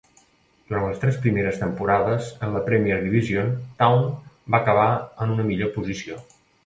Durant les tres primeres temporades en la Premier Division, Town va acabar en una millor posició.